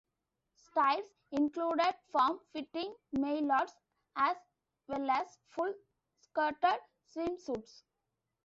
Styles included form fitting maillots as well as full skirted swimsuits.